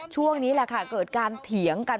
ช่วงนี้แหละค่ะเกิดการเถียงกัน